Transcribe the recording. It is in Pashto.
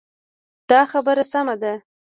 دا خبره سمه ده.